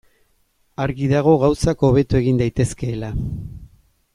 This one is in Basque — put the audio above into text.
Argi dago gauzak hobeto egin daitezkeela.